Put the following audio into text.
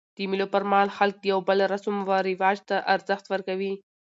د مېلو پر مهال خلک د یو بل رسم و رواج ته ارزښت ورکوي.